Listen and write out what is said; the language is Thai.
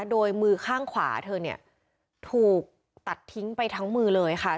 โดยมือข้างขวาเธอเนี่ยถูกตัดทิ้งไปทั้งมือเลยค่ะ